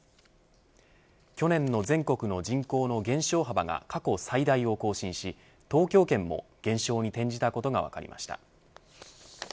去年の全国の人口の減少幅が過去最大を更新し、東京圏も減少に転じたことが分かりました。